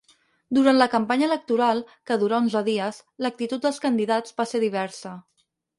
Durant la campanya electoral, que durà onze dies, l'actitud dels candidats va ser diversa.